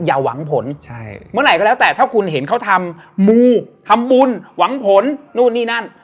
อย่าหวังผลใช่เมื่อไหร่ก็แล้วแต่ถ้าคุณเห็นเขาทำมูทำบุญหวังผลนู่นนี่นั่น